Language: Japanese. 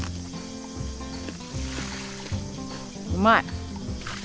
うまい！